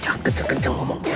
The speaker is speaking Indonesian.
jangan kenceng kenceng ngomongnya